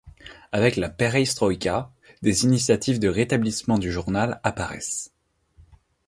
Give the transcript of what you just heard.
Avec la perestroïka, des initiatives de rétablissement du journal apparaissent.